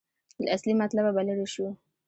له اصلي مطلبه به لرې شو.